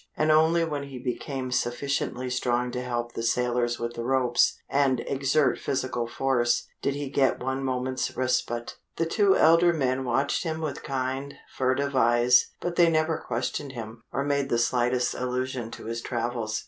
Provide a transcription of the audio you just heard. And only when he became sufficiently strong to help the sailors with the ropes, and exert physical force, did he get one moment's respite. The two elder men watched him with kind, furtive eyes, but they never questioned him, or made the slightest allusion to his travels.